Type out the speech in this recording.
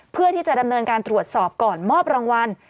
เพื่อที่จะดำเนินการตรวจสอบก่อนมอบรางวัล